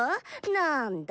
なんだ？